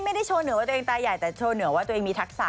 ไม่ได้โชว์เหนือว่าตัวเองตาใหญ่แต่โชว์เหนือว่าตัวเองมีทักษะ